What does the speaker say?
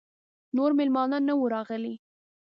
نور مېلمانه نه وه راغلي.